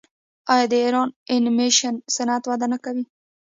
آیا د ایران انیمیشن صنعت وده نه کوي؟